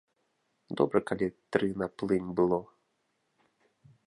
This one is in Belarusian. Добра калі тры на плынь было.